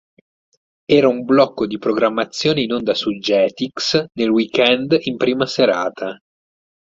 Era un blocco di programmazione in onda su Jetix nel weekend in prima serata.